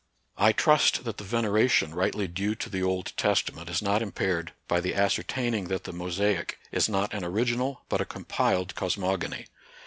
I trust that the veneration rightly due to the Old Testament is not impaired by the ascertaining that the Mosaic is not an original but a compiled cos mogony.